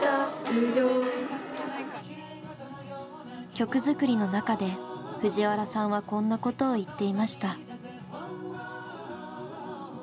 曲作りの中で藤原さんはこんなことを言っていました。